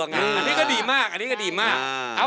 อันนี้ก็ดีมากอันนี้ก็ดีมาก